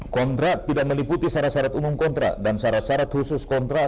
kontrak tidak meliputi syarat syarat umum kontrak dan syarat syarat khusus kontrak